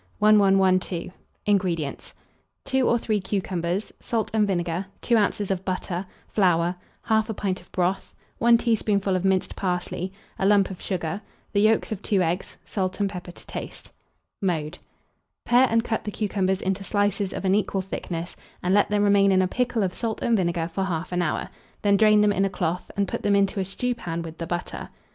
1112. INGREDIENTS. 2 or 3 cucumbers, salt and vinegar, 2 oz. of butter, flour, 1/2 pint of broth, 1 teaspoonful of minced parsley, a lump of sugar, the yolks of 2 eggs, salt and pepper to taste. Mode. Pare and cut the cucumbers into slices of an equal thickness, and let them remain in a pickle of salt and vinegar for 1/2 hour; then drain them in a cloth, and put them into a stewpan with the butter.